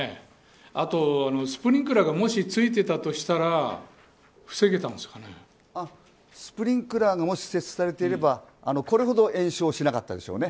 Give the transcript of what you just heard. あと、スプリンクラーがもし付いていたとしたらスプリンクラーがもし設置されていればこれほど延焼しなかったでしょうね。